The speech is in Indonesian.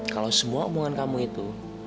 kalau semua omongan kamu itu